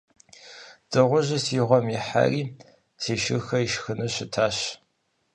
Дыгъужьыр си гъуэм ихьэри си шырхэр ишхыну щытащ!